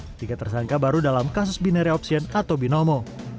ketiga tersangka baru dalam kasus binari opsien atau binomo